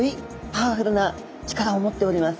パワフルな力を持っております。